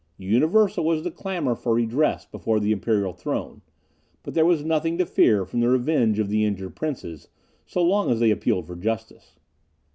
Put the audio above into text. Universal was the clamour for redress before the imperial throne; but there was nothing to fear from the revenge of the injured princes, so long as they appealed for justice.